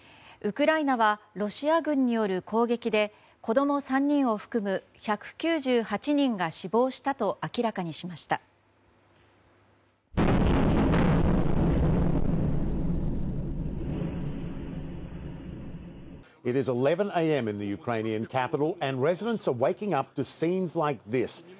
ウクライナはロシア軍による攻撃で子供３人を含む１９８人が死亡したと明らかにしました。